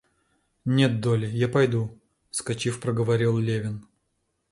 Нет, Долли, я пойду, — вскочив, проговорил Левин.